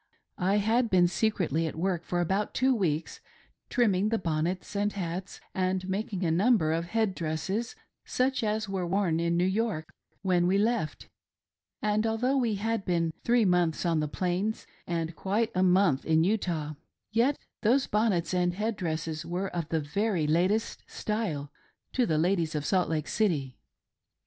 I had been secretly at work for about two weeks, trimming the bonnets and hats, and making a number of head dresses, such as were worn in New York when we ■ left ; and, although we had been three months on the Plains, and quite a month in Utah, yet those bonnets and head dresses were of the very latest style to the ladies of Salt Lake City.